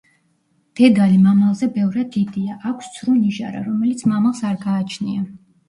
დედალი მამალზე ბევრად დიდია, აქვს ცრუ ნიჟარა, რომელიც მამალს არ გააჩნია.